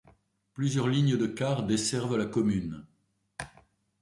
Plusieurs lignes de car desservent la commune.